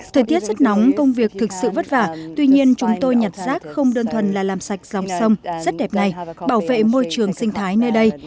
thời tiết rất nóng công việc thực sự vất vả tuy nhiên chúng tôi nhặt rác không đơn thuần là làm sạch dòng sông rất đẹp này bảo vệ môi trường sinh thái nơi đây